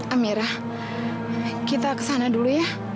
amirah kita ke sana dulu ya